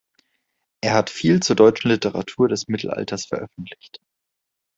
Er hat viel zur deutschen Literatur des Mittelalters veröffentlicht.